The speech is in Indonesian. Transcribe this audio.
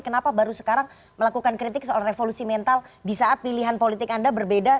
kenapa baru sekarang melakukan kritik soal revolusi mental di saat pilihan politik anda berbeda